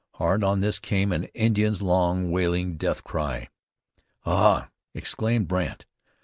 Hard on this came an Indian's long, wailing death cry. "Hah!" exclaimed Brandt.